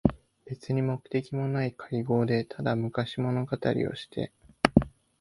べつに目的もなにもない会合で、ただ昔物語りをして、